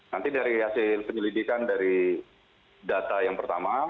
nanti dari hasil penyelidikan dari data yang pertama